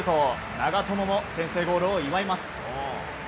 長友も先制ゴールを祝います。